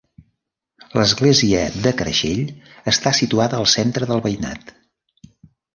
L'església de Creixell està situada al centre del veïnat.